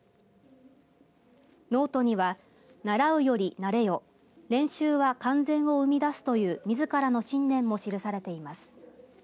ノートには、習うより慣れよ練習は完全を生み出すという自らの信念も記されています。